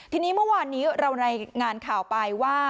ทีนี้เมื่อวานนี้เรารายงานข่าวไปว่า